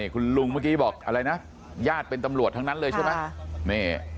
คุณลุงเมื่อกี้บอกอะไรนะญาติเป็นตำรวจทั้งนั้นเลยใช่ไหม